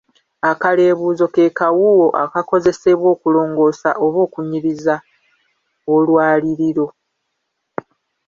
Akaleebuuzo ke kawuuwo akakozesebwa okulongoosa oba okunyiriza olwaliriro.